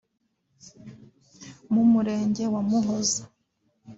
mu murenge wa Muhoza